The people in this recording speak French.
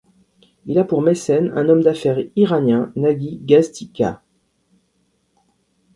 Il a pour mécène un homme d'affaires iranien, Naghi Gashtikhah.